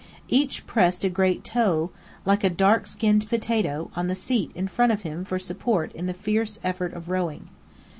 Each pressed a great toe, like a dark skinned potato, on the seat in front of him for support in the fierce effort of rowing.